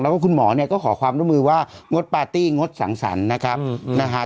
แล้วคุณหมอก็ขอความร่วมมือว่างดปาร์ตี้งดสั่งสรรค์นะคะ